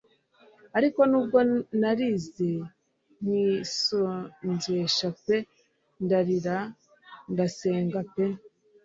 Ariko nubwo narize nkisonzesha pe ndarira ndasenga pe